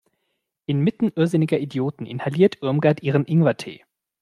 Inmitten irrsinniger Idioten inhaliert Irmgard ihren Ingwertee.